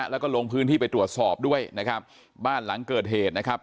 แล้วก็ลงพื้นที่ไปตรวจสอบด้วยนะครับบ้านหลังเกิดเหตุนะครับ